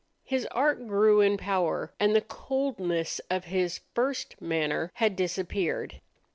His art grew in power, and the coldness of his "first manner" had disappeared.